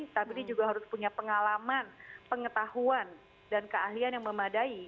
tapi dia juga harus punya pengalaman pengetahuan dan keahlian yang memadai